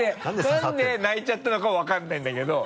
なんで泣いちゃったのかは分からないんだけど。